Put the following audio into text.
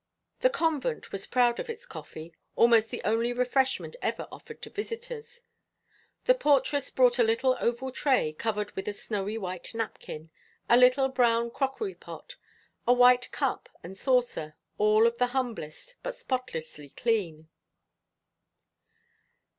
The convent was proud of its coffee, almost the only refreshment ever offered to visitors. The portress brought a little oval tray covered with a snow white napkin, a little brown crockery pot, a white cup and saucer, all of the humblest, but spotlessly clean.